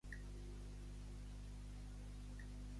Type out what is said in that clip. Probablement devia ser en un altre club, em sembla que li sento dir.